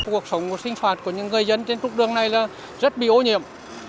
cuộc sống sinh hoạt của những người dân trên trúc đường này rất bị ô nhiệm